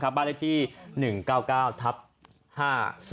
บ้านเร็วที่๑๙๙๕๒๙นะฮะ